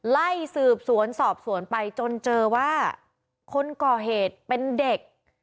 ไล่สืบสวนสอบสวนไปจนเจอว่าคนก่อเหตุเป็นเด็ก